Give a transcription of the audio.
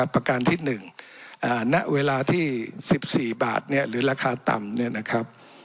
ประการที่๑ณเวลาที่๑๔บาทหรือราคาต่ำ